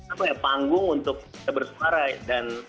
apa ya panggung untuk kita bersuara dan